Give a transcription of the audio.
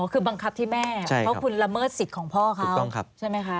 คือบังคับที่แม่เพราะคุณละเมิดสิทธิ์ของพ่อเขาใช่ไหมคะ